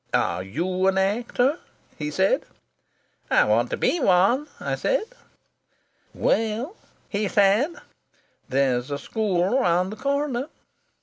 "'Are you an actor?' he said. "'I want to be one,' I said. "'Well,' he said, 'there's a school round the corner.'